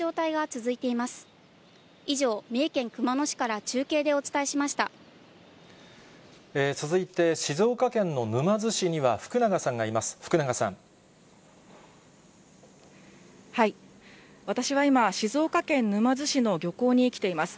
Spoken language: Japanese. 続いて、静岡県の沼津市には福永さんがいます。